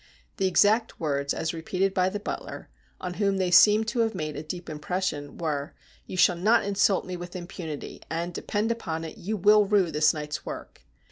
The exact words as repeated by the butler, on whom they seemed to have made a deep impression, were, ' You shall not insult me with impunity, and, depend upon it, you will rue this night's work.'